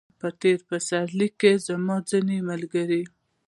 په تېر پسرلي کې زما ځینې ملګري